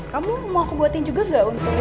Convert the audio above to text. kamu mau aku buatin juga gak untung